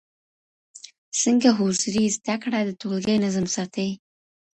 څنګه حضوري زده کړه د ټولګي نظم ساتي؟